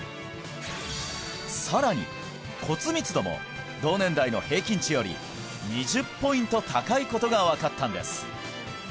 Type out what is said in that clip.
さらに骨密度も同年代の平均値より２０ポイント高いことが分かったんです